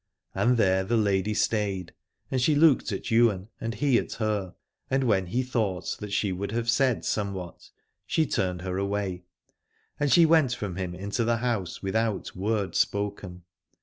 And there the lady stayed, and she looked at Ywain, and he at her, and when he thought that she would have said somewhat she turned her away : and she went from him into the house without word spoken.